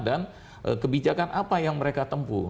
dan kebijakan apa yang mereka tempuh